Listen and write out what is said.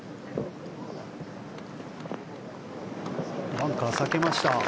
バンカーを避けました。